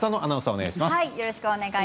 お願いします。